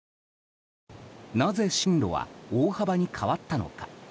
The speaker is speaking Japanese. なぜ進路は大幅に変わったのか。